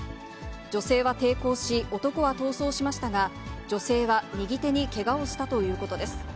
女性は抵抗し、男は逃走しましたが、女性は右手にけがをしたということです。